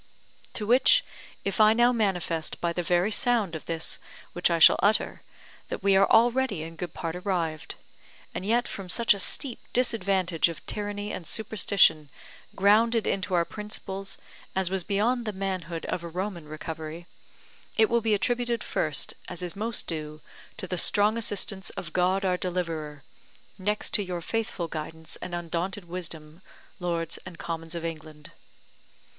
To which if I now manifest by the very sound of this which I shall utter, that we are already in good part arrived, and yet from such a steep disadvantage of tyranny and superstition grounded into our principles as was beyond the manhood of a Roman recovery, it will be attributed first, as is most due, to the strong assistance of God our deliverer, next to your faithful guidance and undaunted wisdom, Lords and Commons of England.